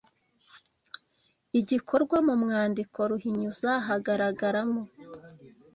Igikorwa Mu mwandiko Ruhinyuza hagaragaramo